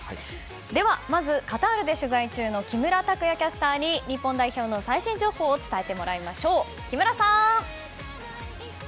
では、まずはカタールで取材中の木村拓也キャスターに日本代表の最新情報を伝えてもらいましょう、木村さん。